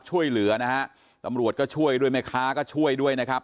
ช่วยเหลือนะฮะตำรวจก็ช่วยด้วยแม่ค้าก็ช่วยด้วยนะครับ